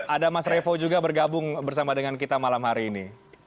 ada mas revo juga bergabung bersama dengan kita malam hari ini